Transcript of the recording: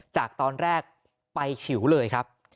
จากตอนแรกไปฉิวเลยครับ